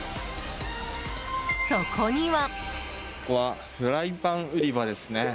そこには。